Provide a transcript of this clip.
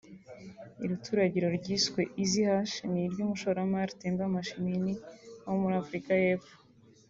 Iri turagiro ryiswe “Easy hatch” ni iry’umushoramari Temba Mashinini wo muri Afurika y’Epfo